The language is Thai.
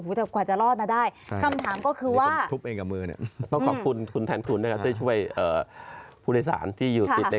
อู๋แบบกว่าจะรอดมาได้